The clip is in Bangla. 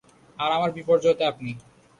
আর আমার বিপর্যয় তো আপনি।